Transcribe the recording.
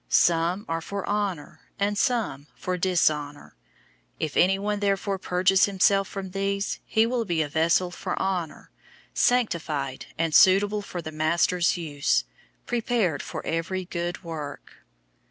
Some are for honor, and some for dishonor. 002:021 If anyone therefore purges himself from these, he will be a vessel for honor, sanctified, and suitable for the master's use, prepared for every good work.